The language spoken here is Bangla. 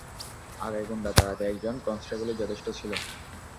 আগে গুন্ডা তাড়াতে একজন কনস্টেবলই যথেষ্ট ছিলো।